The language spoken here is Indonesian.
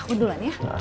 aku duluan ya